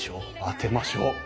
当てましょう。